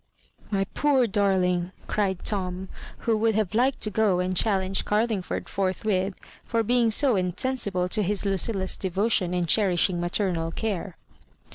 " My poor darling I " cried Tom, who would have liked to go and challenge Carlingford forth with for being so insensible to his Ludlla's de votion and cherishing maternal care.